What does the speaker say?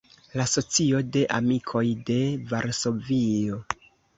La Socio de Amikoj de Varsovio.